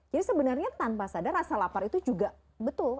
jadi sebenarnya tanpa sadar rasa lapar itu juga betul